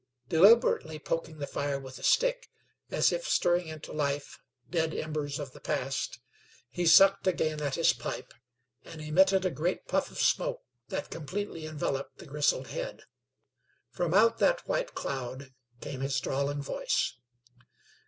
Deliberately poking the fire with a stick, as if stirring into life dead embers of the past, he sucked again at his pipe, and emitted a great puff of smoke that completely enveloped the grizzled head. From out that white cloud came his drawling voice.